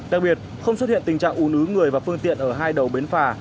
đặc biệt không xuất hiện tình trạng ủn ứ người và phương tiện ở hai đầu bến phả